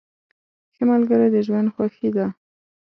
ښه ملګري د ژوند خوښي ده.